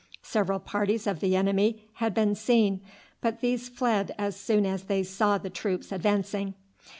Several parties of the enemy had been seen, but these fled as soon as they saw the troops advancing.